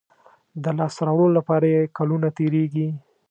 د لاسته راوړلو لپاره یې کلونه تېرېږي.